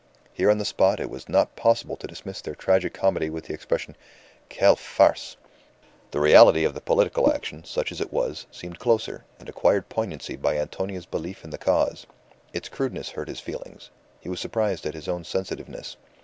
Here on the spot it was not possible to dismiss their tragic comedy with the expression, "Quelle farce!" The reality of the political action, such as it was, seemed closer, and acquired poignancy by Antonia's belief in the cause. Its crudeness hurt his feelings. He was surprised at his own sensitiveness.